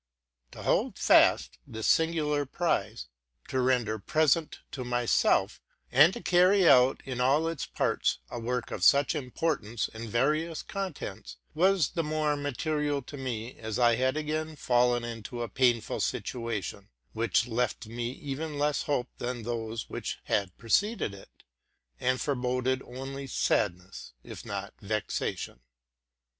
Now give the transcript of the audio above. To hold fast this singular prize, to render present to myself, and to carry out in all its parts, a work of such important and various contents, was the more material to me, as I had again fallen into a painful situation, which left me even less hope than those which had preceded it, and foreboded only sadness, if not vexation.